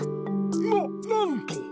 ななんと！